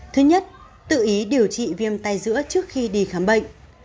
thứ nhất tự ý điều trị viêm tay giữa trước khi đi khám bệnh